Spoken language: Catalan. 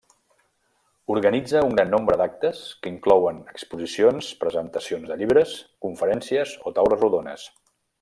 Organitza un gran nombre d'actes que inclouen exposicions, presentacions de llibres, conferències o taules rodones.